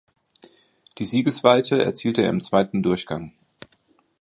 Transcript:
Die Siegesweite erzielte er im zweiten Durchgang.